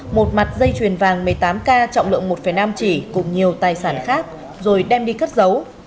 một mặt dây chuyền vàng một mươi tám k trọng lượng một năm chỉ cùng nhiều tài sản khác rồi đem đi cất giấu